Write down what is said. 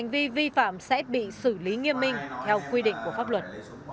vi phạm sẽ bị xử lý nghiêm minh theo quy định của pháp luật